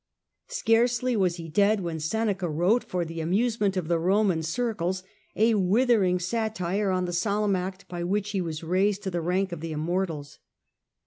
Scarcely was he dead when Seneca wrote for the amusement of the Roman circles a withering satire on the solemn act by which he was raised to ihe satire oi the rank of the immortals.